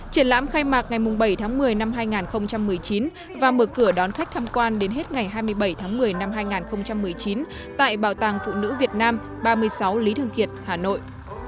triển lãm khai mạc ngày bảy tháng một mươi năm hai nghìn một mươi chín và mở cửa đón khách tham quan đến hết ngày hai mươi bảy tháng một mươi năm hai nghìn một mươi chín tại bảo tàng phụ nữ việt nam ba mươi sáu lý thương kiệt hà nội